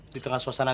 di tengah suasana